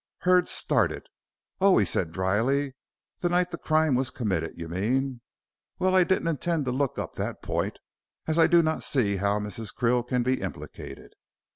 Hurd started. "Oh," said he, dryly, "the night the crime was committed, you mean? Well, I didn't intend to look up that point, as I do not see how Mrs. Krill can be implicated.